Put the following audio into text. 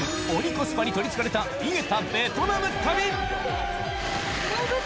コスパに取り憑かれた井桁ベトナム旅動物園みたい。